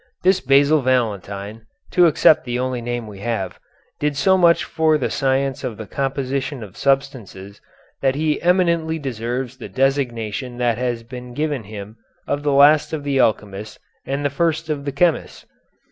This Basil Valentine (to accept the only name we have) did so much for the science of the composition of substances that he eminently deserves the designation that has been given him of the last of the alchemists and the first of the chemists.